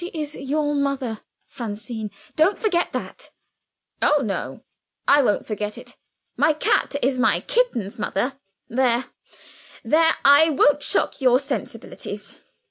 "She is your mother, Francine; don't forget that." "Oh, no; I won't forget it. My cat is my kitten's mother there! there! I won't shock your sensibilities.